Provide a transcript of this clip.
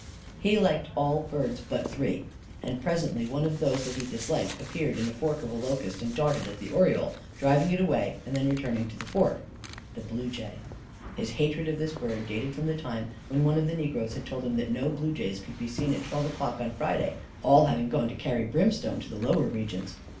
He liked all birds but three; and presently one of those that he disliked appeared in a fork of a locust and darted at the oriole, driving it away and then returning to the fork the blue jay. His hatred of this bird dated from the time when one of the negroes had told him that no blue jays could be seen at twelve o'clock on Friday all having gone to carry brimstone to the lower regions.